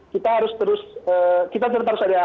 kita harus terus kita tetap harus ada